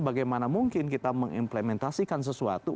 bagaimana mungkin kita mengimplementasikan sesuatu